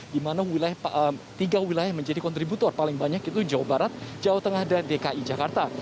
di mana tiga wilayah yang menjadi kontributor paling banyak itu jawa barat jawa tengah dan dki jakarta